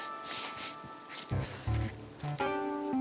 dipertsisa ya anda kaga kan